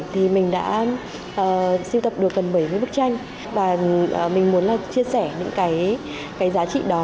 thì mình đã siêu tập được gần bảy mươi bức tranh và mình muốn là chia sẻ những cái giá trị đó